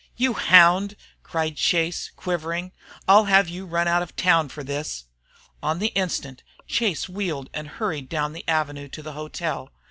"You hound!" cried Chase, quivering. "I'll have you run out of town for this." On the instant Chase wheeled and hurried down the avenue to the hotel.